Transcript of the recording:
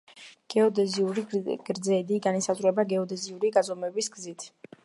გეოდეზიური გრძედი განისაზღვრება გეოდეზიური გაზომვების გზით.